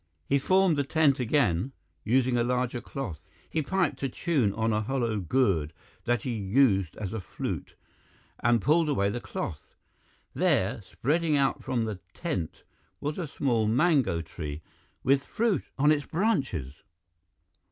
He formed the tent again, using a larger cloth. He piped a tune on a hollow gourd that he used as a flute and pulled away the cloth. There, spreading out from the tent, was a small mango tree, with fruit on its branches!